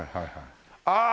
ああ！